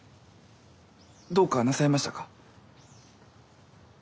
どうかなさいましたか？